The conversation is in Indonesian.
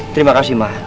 terima kasih ma